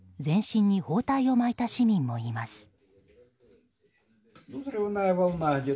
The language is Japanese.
全身に包帯を巻いた市民もいます。